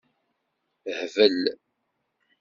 Hbel.